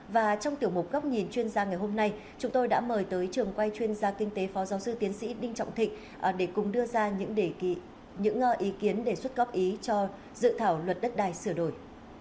và trong tiểu mục góc nhìn chuyên gia ngày hôm nay chúng tôi đã mời tới trường quay chuyên gia kinh tế phó giáo sư tiến sĩ đinh trọng thịnh để cùng đưa ra những ý kiến đề xuất góp ý cho dự thảo luật đất đai sửa đổi